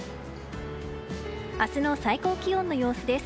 明日の最高気温の様子です。